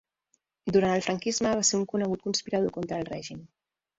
Durant el franquisme va ser un conegut conspirador contra el règim.